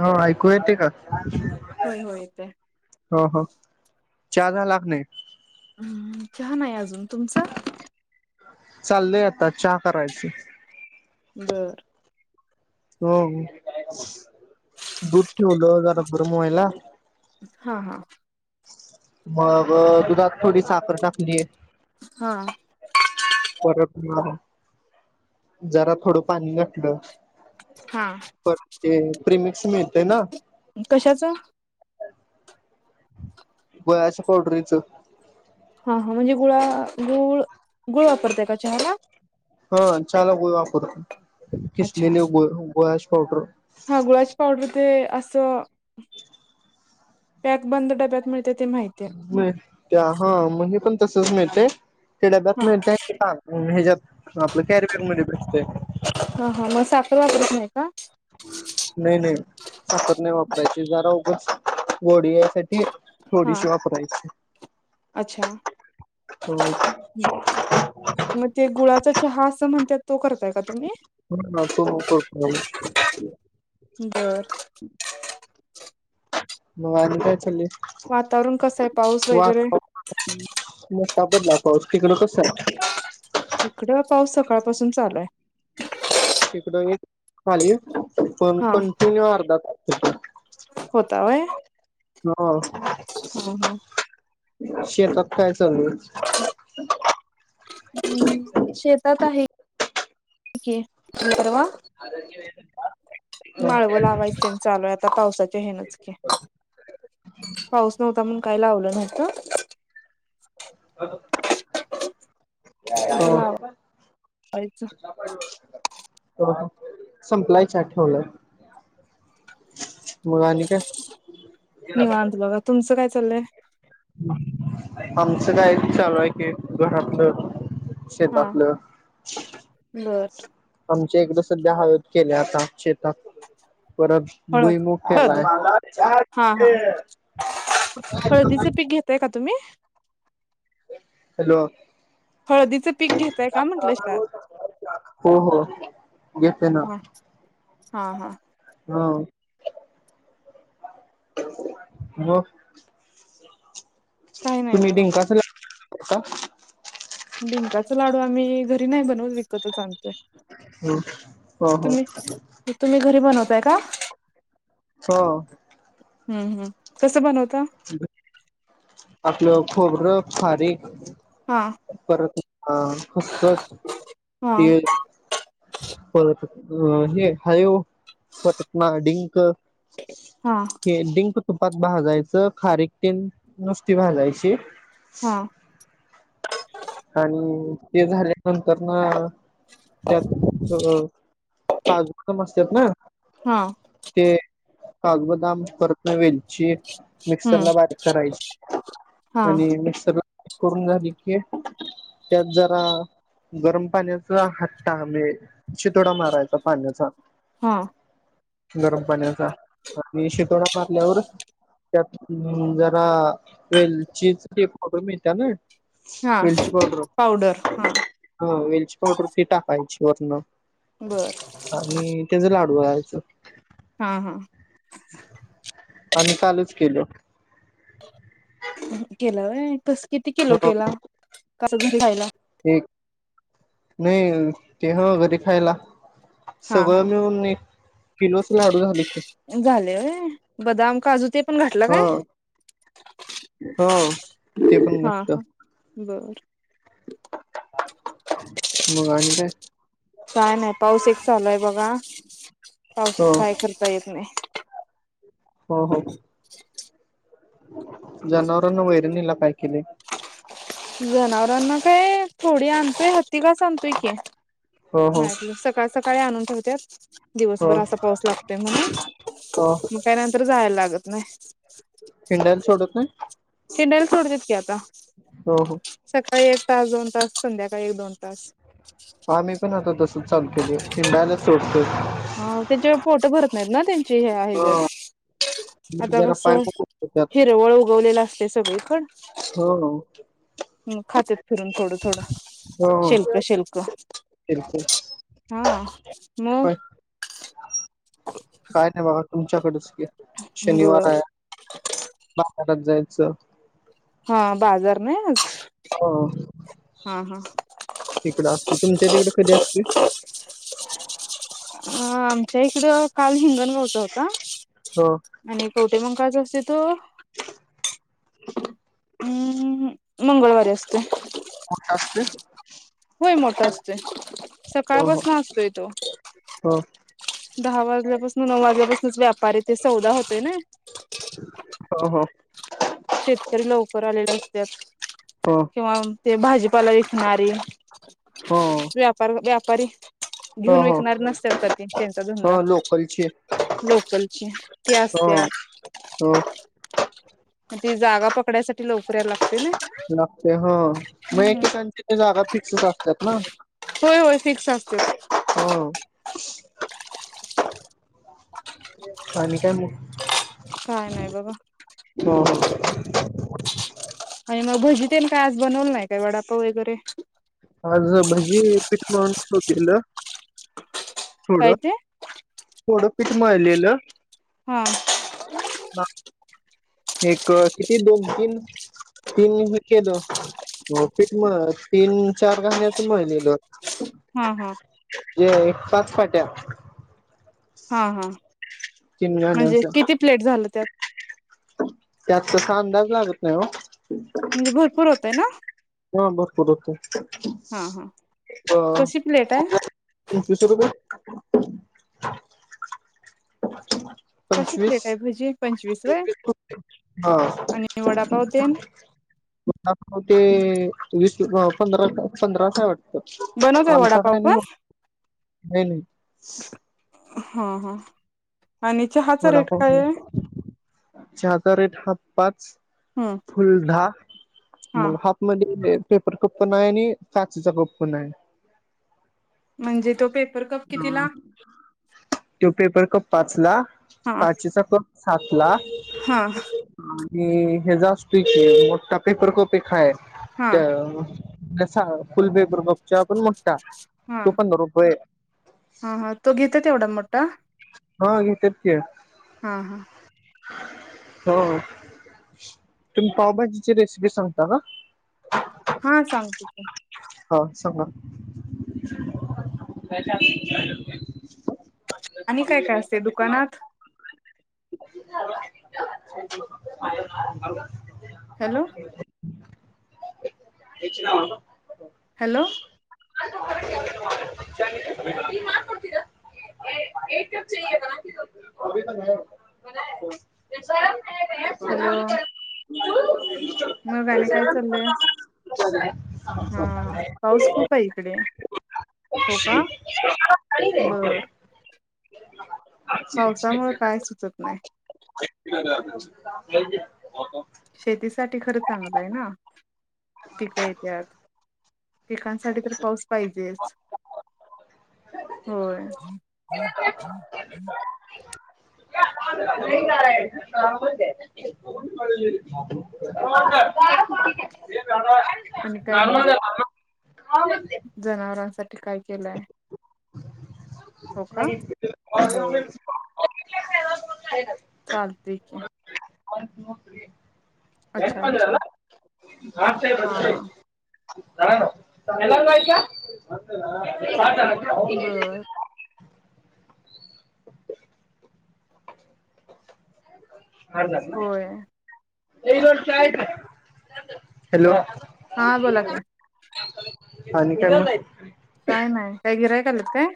हो ऐकू येते का? होय होय येतेय. हो हो चहा झाला क नाय? हम्म चहा नाय अजून तुमचा? चाललंय आता चहा करायची. बरं हो दूध ठेवायला जरा गरम होयला. हा हा. मगं दुधात थोडी साखर टाकलीय हा. परत मग जरा थोडं पाणी घातलं. हा पण ते प्रिमिकिक्स मिळतय ना कशाचा? गोळाच्या पोड्रीचा. हा हा म्हणजे गुळा गुळ गुळ वापरतय का चहाला? हा चहाला गुळ वापरतो अच्छा खिसलेले गुळ गुळाचं पावडर. हा गुळाची पावडर ते असं पॅक बंद डब्यात मिळते ते माहितीय. त्या हा मग हे पण तसच मिळतेय ते ड्याब्यात हा मिळते हेज्यात आपलं कॅरिबॅग मध्ये भेटते. हा हा म साखर वापरत नाही का? नाही नाही साखर नाही वापरायची जरा उघच गोडी या सा ठी हा थोडीशी वापरायची. अच्छा! म ते गुळाचा चहा असं म्हणत्यात तो करताय का तुम्ही? [unintelligible] बरं म आणि काय चाललय? वातावरण कसं आहे पाऊस वगैरे? मोठा पडला पाऊस तिकडं कसं आहे? इकडं पाऊस सकाळपासून चालू हाय. हिकडं एक आली पण हा कंटिन्यू अर्धा तास होता होय. हो हा शेतात काय चालूय? [inaudible] हम् शेतात आहे की, बरवा आहे माळवं लावायचं तेन चालूय आता. आता पावसाच्या हेनं चं की पाऊस नव्हता म्हणून काय लावलं नव्हतं. आता हो. लावायचं संपलाय चहा ठेवलाय. मं आणि काय निवांत बघा तुमचं काय चाललंय. आमचं काय चालू आहे की घरातलं शेतातलं बरं. आमच्या इकडं सध्या हळद केल्या आता शेतात परत हळ भुईमूग हळद केलाय. हा हा ते का तुम्ही हॅलो हळदीचं पीक घेताय का म्हटलं शेतात हो हो घेते ना, हा हा हा हा मंग काही नाही तुमी बघा डिंकाचं लाडू करता. डिंकाचं लाडू आम्ही घरी नाही बनवतं विकतच आणतोय. हम्म हा हा. ते तुम्ही घरी बनवताय का? [inaudible] हम्म हम् कसं बनवता? आपलं खोबरं, खारीक हा परत ह खसखस हा ते परत अ हे हयो परत ना डिंक हा हे डिंक तुपात भाजायच. खारीक तेन नुसती भाजायची. हा आणि ते झाल्यानंतरनं त्यात अ काजूत पण असत्यात ना हा ते काजू बदाम परत वेलची हम्म मिक्सरला बारीक करायची हा आणि मिक्सरला करून झाली की त्यात जरा गरम पाण्याचा हात्टा म्हणजे शितोडा मारायचा पाण्याचा हा गरम पाण्याचा आणि शितोडा मारल्यावर त्यात जरा वेलचीच ते पावडर मिळत्या नई हा वेलची पावडर ह वेलची पावडर ते टाकायची वरणं बर आणि त्याच लाडू वळायच. हा हा आम्ही कालच केल. केलं व्हयं कस किती किलो केलं. कसं तु खायला [unintelligible] ते नाही ते ह घरीे खायला. हा सगळं हा मिळून एक, किलोच लाडू झाल‌ की. झाले होय. बदाम काजू ते पण घातलं ह काय? हो. ते पण घातलं. बरं. मग आणि काय, काय नाही पाऊस एक चालूय बघा, हो पावसात काय करता येत नाही. हो हो. [inaudible] जनावरांना वैरणीला काय केले? जनावरांना काय थोडी आणतोय, हत्तीकास आणतोय की हो हो मळ्यातल स सकाळ सकाळी आणून ठेवत्यात हो दिवसभर असा पाऊस लागतोय हो म्हणून. त्या नंतर जायला लागत नाही. हिंडायला सोडत नाही. हिंडायला सोडत्यात की आता. हो हो सकाळी एक तास दोन तास संध्याकाळी एक दोन तास आम्ही पण आता तसंच चालू केलोय हिंडायलाच सोडतोय. हो. तेच्यी पोट भरत नाहीत ना त्यांची हे या हेजात. हो आता जरा पाय कसं, मोकळेतात हिरवळ उगवलेलं असतंय सगळीकडं. हो हो. हं.. खातेत फिरून थोडं थोडं हो शिल्क शिल्क. बिलकुल हा मग. काय नाही बघा तुमच्याकडचं की, शनिवार बर आहे [unintelligible] जायचं. हां. बाजार नाही आज. हो हा तिकड असतो. तुमच्या तिकडे कधी असतोय. अं आमच्या इकडे काल हिंगण ब हो का, हो आणि कवठेमंकाळचं‌ असतोय तो. हम्म.. मंगळवारी असतोय. कुठे असतोय? होय, मोठा असतोय. हो सकाळपासून असतोय तो, हो दहा वाजल्यापासून नऊ वाजल्यापासूनच व्यापारी ते सौदा होतंय नी. हा.. हा.. शेतकरी लवकर आलेले असत्यात. हो. किंवा ते भाजीपाला विकणारी हो व्यापार -व्यापारी. हो घेऊन हो विकणार नसतात‌ ते, त्यांचा धंदा हो लोकलची लोकलची ती हो असतात. हो. मग ती जागा पकडायसाठी लवकर यायला लागते नी. लागते हो. मग एकेकांची जागा फिक्सच असत्यात ना. होय.. होय.. फिक्स असतेच. हो. आणि काय मग, काय नाही बघा हां.. आणि मग भजी तेन काय, आज बनवलं नाही काय वडापाव वगैरे, आज भजी पिठं मळून ठेवलेलं. थोडं काय ते, थोडं पीठ मळलेलं. हां. एक किती दोन तीन, तीन केलो. बहुतेक मग तीन चार घाण्याचं मळलेलो. हा हा हो एक पाच पाट्या हा हा तीन म्हणजे गाण्यांच किती प्लेट झालं त्यात त्यात तसा अंदाज लागत नाय ओ. म्हणजे भरपूर होतय ना हा भरपूर होतय हा हा हा कशी प्लेट आहे तीन किती रुपये? कशी पंचवीस प्लेट आहे भजी पंचवीस व्हय हा आणि वडापाव [unintelligible] ते वीस पंधरा पंधराचं हाय वाटत बनवताय आमचा वडापाव काय नाय ओ पण नाही नाही. हा हा आणि चहा वडापाव घे चहाका रेट हाफ पाच हम्म फुल्ल धा हा मग, हाप म्हणजे पेपर कप पण नाही, आणि काचेचं कप पण नाही. म्हणजे तो पेपर कप कितीला? तो पेपर कप पाचला हा काचेचा कप सातला हा आणि हेजा असत्योय की मोठा पेपर कप एक हाय हा त्या जसा फुल पेपर कप च्या पण मोठा हा तो पंधरा रुपये हा हा तो घेतात येवढा मोठा हा घेत्यात की हा हा हो. तुम्ही पावभाजीची रेसिपी सांगता का? हा सांगते पण हा सांगा [unintelligible] [unintelligible] आणि काय काय असते दुकानात हॅलो तेची नाव कां हॅलो [unintelligible] [unintelligible] हॅलो मग आणि काय चाललंय [unintelligible] हा पाऊस खूप हाय इकडे हो का बर [unintelligible] [unintelligible] हाय पावसामुळे काय सुचत नाही की आता शेतीसाठी खरं चांगलंय ना पिकं येत्यात पिकांसा साठी तर पाऊस पाहिजे होय. [unintelligible] [inaudible] [unintelligible] आणि काय म हा नमस्ते जनावरांसा ठी काय केलाय [unintelligible] ओ टी बर पी [unintelligible] दोन रायलत चालतय की वन टू थ्री अच्छा अच्छा. हा हा [unintelligible] [unintelligible] बर [inaudible] हरलात ना. होय हॅलो हा बोला की आणि काय काय नाही. काही गिरायीक आलेत काय.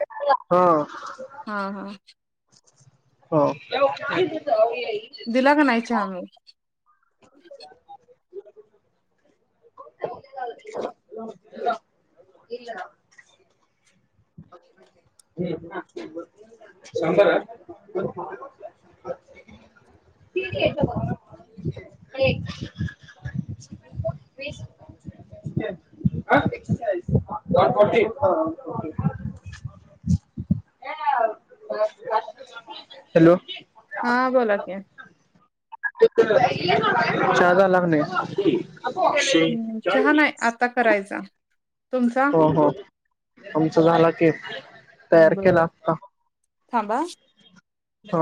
हा हा हा हो दिला का नाही चहा मग. [unintelligible] [unintelligible] [unintelligible] [unintelligible] सांभार [unintelligible] [unintelligible] एक्साईज हॅलो हा बोला की. चहा झाला की नाही. हम्म, चहा नाही. आता करायचा. तुमचा हो हो आमचा झाला की. तयार केला बर आता. थांबा हो